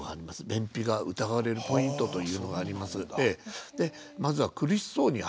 「便秘が疑われるポイント」というのがあります。